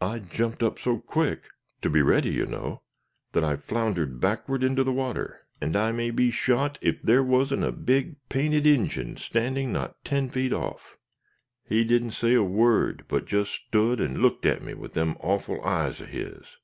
I jumped up so quick to be ready, you know that I floundered backward into the water. And I may be shot if there wasn't a big painted Injin standing not ten feet off. He didn't say a word, but just stood and looked at me with them awful eyes of his.